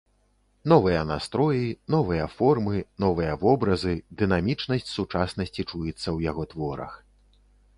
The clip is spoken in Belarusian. Новыя настроі, новыя формы, новыя вобразы, дынамічнасць сучаснасці чуецца ў яго творах.